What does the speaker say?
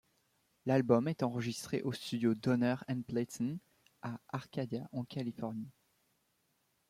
L'album est enregistré au studio Donner and Blitzen à Arcadia, en Californie.